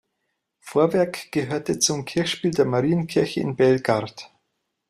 Vorwerk gehörte zum Kirchspiel der Marienkirche in Belgard.